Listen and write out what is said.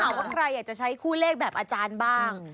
ว่าใครอยากจะใช้คู่เลขแบบอาจารย์บ้าง